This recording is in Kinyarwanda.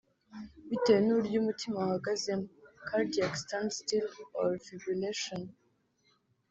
bitewe n’uburyo umutima wahagazemo (cardiac standstill or fibrillation)